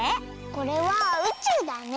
これはうちゅうだね。